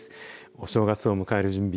お正月を迎える準備